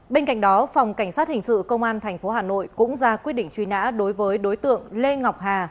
bên cạnh đó phòng cảnh sát hình sự công an tp hà nội cũng ra quyết định truy nã đối với đối tượng lê ngọc hà